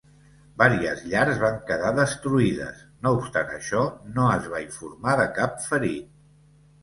Vàries llars van quedar destruïdes; no obstant això, no es va informar de cap ferit.